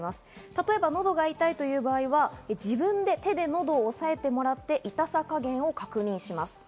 例えば、のどが痛いという場合は自分で手で喉を押さえてもらって、痛さ加減を確認します。